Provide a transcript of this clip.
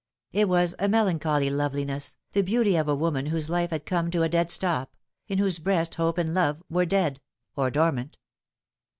It was a melancholy loveliness, the beauty of a woman whose life had come to a dead stop, in whose breast hope and love were dead or dormant.